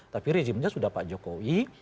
tapi rezimnya sudah pak jokowi